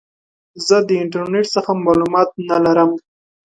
زه د انټرنیټ څخه معلومات نه لرم.